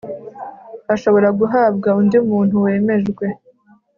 ashobora guhabwa undi muntu wemejwe